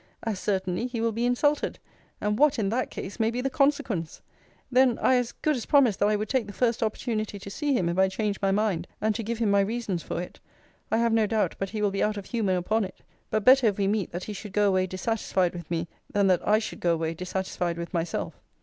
As certainly he will be insulted. And what, in that case, may be the consequence! Then I as good as promised that I would take the first opportunity to see him, if I change my mind, and to give him my reasons for it. I have no doubt but he will be out of humour upon it: but better, if we meet, that he should go away dissatisfied with me, than that I should go away dissatisfied with myself.